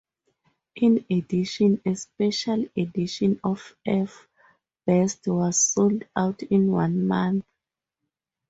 In addition, a special edition of "F" Best was sold out in one month.